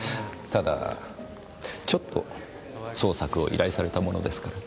ただちょっと捜索を依頼されたものですから。